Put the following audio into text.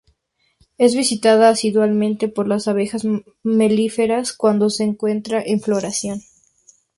Es visitada asiduamente por las abejas melíferas cuando se encuentra en floración.